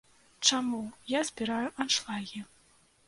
Чаму я збіраю аншлагі?